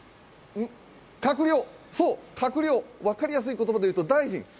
閣僚、分かりやすい言葉で言うと、大臣。